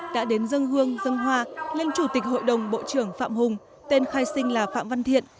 đã đến dân hương dân hoa lên chủ tịch hội đồng bộ trưởng phạm hùng tên khai sinh là phạm văn thiện